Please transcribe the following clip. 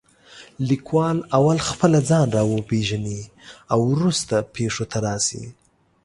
لیکوال اول خپله ځان را وپېژنې او وروسته پېښو ته راشي.